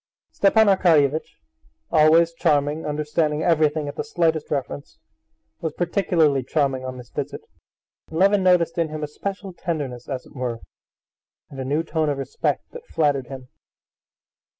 Stepan Arkadyevitch, always charming, understanding everything at the slightest reference, was particularly charming on this visit, and Levin noticed in him a special tenderness, as it were, and a new tone of respect that flattered him.